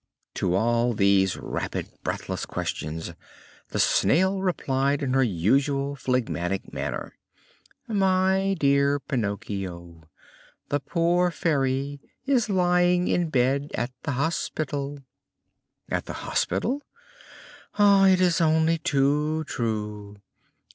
To all these rapid, breathless questions the Snail replied in her usual phlegmatic manner: "My dear Pinocchio, the poor Fairy is lying in bed at the hospital!" "At the hospital?" "It is only too true.